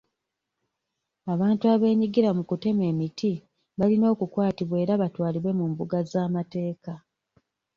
Abantu abeenyigira mu kutema emiti balina okukwatibwa era batwalibwe mu mbuga z'amateeka.